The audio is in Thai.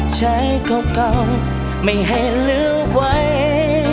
ใจเก่าไม่ให้เหลือไหว